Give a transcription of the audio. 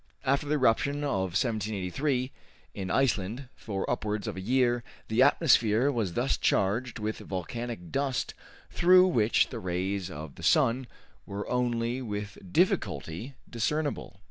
After the eruption of 1783 in Iceland for upwards of a year the atmosphere was thus charged with volcanic dust through which the rays of the sun were only with difficulty discernible.